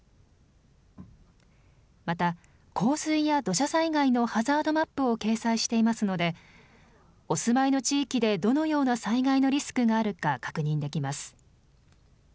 また、洪水や土砂災害のハザードマップを掲載していますのでお住まいの地域でどのような災害のリスクがあるか確認できます。